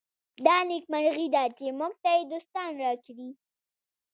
دا نېکمرغي ده چې موږ ته یې دوستان راکړي.